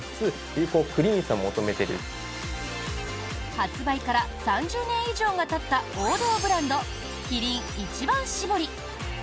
発売から３０年以上がたった王道ブランド、キリン一番搾り。